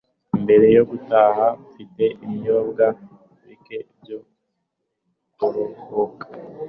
Mbere yo gutaha, mfite ibinyobwa bike byo kuruhuka.